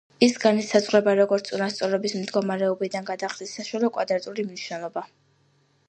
ის განისაზღვრება როგორც წონასწორობის მდგომარეობიდან გადახრის საშუალო კვადრატული მნიშვნელობა.